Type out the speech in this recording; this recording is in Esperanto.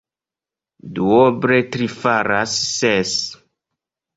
Duoble tri faras ses.